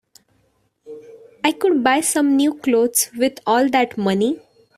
I could buy some new clothes with all that money.